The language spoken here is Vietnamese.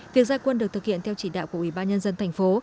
việc gia quân được thực hiện theo chỉ đạo của ủy ban nhân dân thành phố